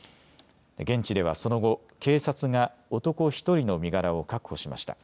現地ではその後、警察が男１人の身柄を確保しました。